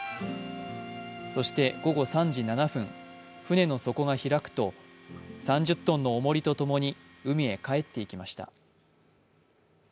そして午後３時７分、船の底が開くと３０ｔのおもりとともに海へかえっていきました。